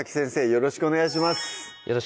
よろしくお願いします